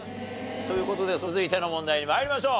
という事で続いての問題に参りましょう。